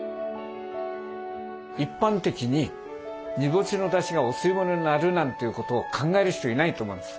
一般的に煮干しのだしがお吸い物になるなんていうことを考える人いないと思うんです。